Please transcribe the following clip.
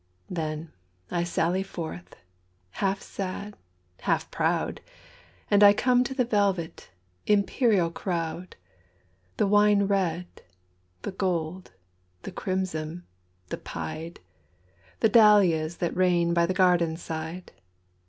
Then, I sally forth, half sad, half proud, And I come to the velvet, imperial crowd, The wine red, the gold, the crimson, the pied,—The dahlias that reign by the garden side.